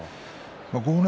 豪ノ